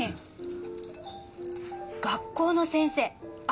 学校の先生あ！